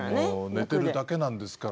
寝ているだけですから。